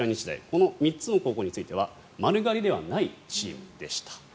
この３つの高校については丸刈りではないチームでした。